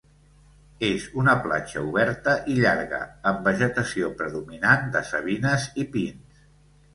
És una platja oberta i llarga amb vegetació predominant de savines i pins.